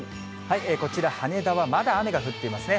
こちら、羽田はまだ雨が降っていますね。